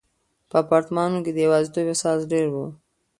په اپارتمانونو کې د یوازیتوب احساس ډېر و.